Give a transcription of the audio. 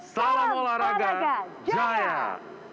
salam olahraga jaya